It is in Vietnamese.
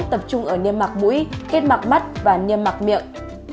tập trung ở niêm mạc mũi kết mặc mắt và niêm mạc miệng